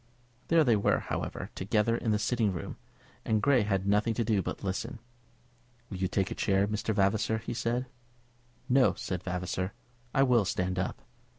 There they were, however, together in the sitting room, and Grey had nothing to do but to listen. "Will you take a chair, Mr. Vavasor?" he said. "No," said Vavasor; "I will stand up."